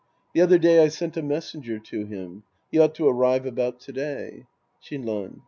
The other day I sent a messenger to him. He ought to arrive about to day. Shinran.